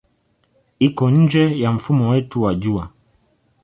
Iko nje ya mfumo wetu wa Jua.